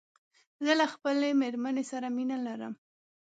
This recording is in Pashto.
زه له خپلې ميرمن سره مينه لرم